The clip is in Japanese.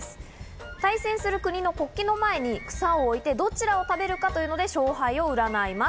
対戦する国の国旗の前に草を置いて、どちらを食べるかというので勝敗を占います。